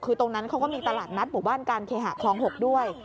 คือตรงนั้นเขาก็มีตลาดนัดหมู่บ้านการเคหะคลอง๖ด้วย